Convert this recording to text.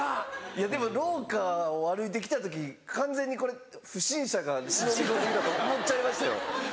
いやでも廊下を歩いて来た時完全に不審者が忍び寄って来たと思っちゃいましたよ。